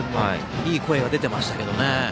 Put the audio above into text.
いい声が出ていましたね。